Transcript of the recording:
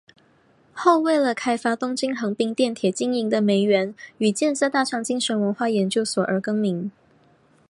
后为了开发东京横滨电铁经营的梅园与建设大仓精神文化研究所而更名。